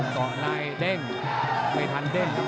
เกาะนายเด้งไม่ทันเด้ง